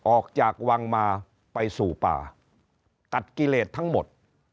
ออกจากวังมาไปสู่ป่าตัดกิเลสทั้งหมด